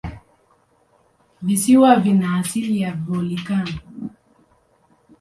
Visiwa vina asili ya volikano.